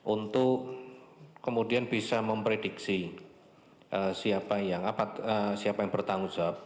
untuk kemudian bisa memprediksi siapa yang bertanggung jawab